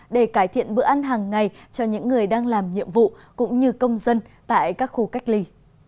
để cải thiện bữa ăn hàng ngày cho những người đang làm nhiệm vụ cũng như công dân tại các khu cách ly